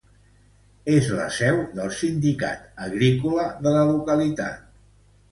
És la seu del sindicat agrícola de la localitat.